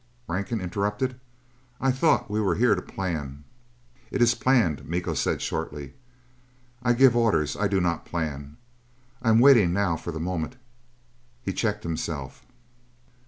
Rankin interrupted. "I thought we were here to plan " "It is planned," Miko said shortly. "I give orders, I do not plan. I am waiting now for the moment " He checked himself.